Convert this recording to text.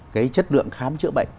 cái chất lượng khám chữa bệnh